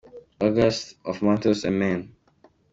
August – Of Monsters And Men.